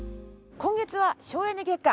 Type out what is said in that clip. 今月は省エネ月間。